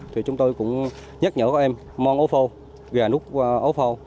thì chúng tôi cũng nhắc nhở các em mong ô phô gà nút ô phô